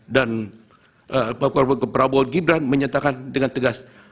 prabowo gibran menyatakan dengan tegas